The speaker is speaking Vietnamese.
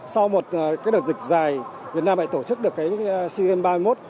sau một đợt dịch dài việt nam tổ chức được cgm ba mươi một